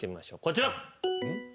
こちら。